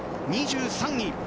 ２３位。